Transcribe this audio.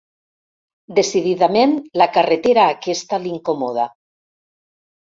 Decididament la carretera aquesta l'incomoda.